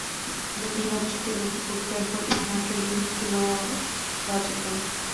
The main object of the book, therefore, is not really philological.